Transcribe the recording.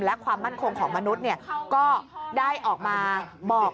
และความมั่นคงของมนุษย์ก็ได้ออกมาบอก